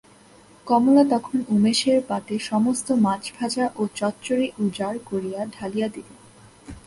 কমলা তখন উমেশের পাতে সমস্ত মাছ-ভাজা ও চচ্চড়ি উজাড় করিয়া ঢালিয়া দিল।